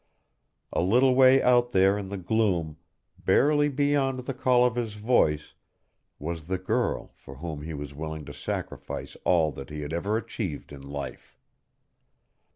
A little way out there in the gloom, barely beyond the call of his voice, was the girl for whom he was willing to sacrifice all that he had ever achieved in life.